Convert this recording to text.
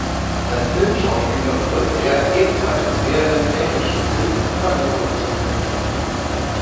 Als Filmschauspieler wirkte er ebenfalls an mehreren dänischen Film- und Fernsehproduktionen mit.